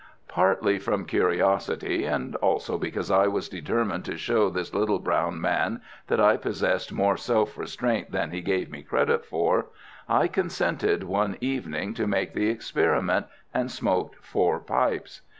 Partly from curiosity and also because I was determined to show this little brown man that I possessed more self restraint than he gave me credit for, I consented one evening to make the experiment, and smoked four pipes.